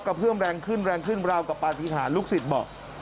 กระเพื่อมแรงขึ้นราวกับปาฏิหารลูกศิษย์บอก